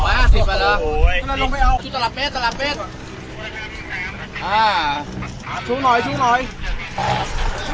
วันนี้เราจะมาจอดรถที่แรงละเห็นเป็น